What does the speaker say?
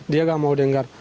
dia tidak mau dengar